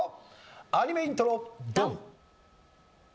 アニメイントロドン！